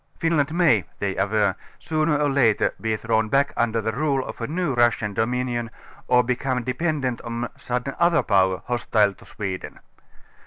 Finland may ŌĆö they aver ŌĆö sooner or later be thrown back under the rule of a new Russian do minion or become depedant on some other power, hostile to Sweden.